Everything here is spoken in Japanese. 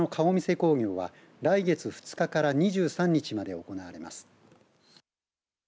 興行は来月２日から２３日まで行われます。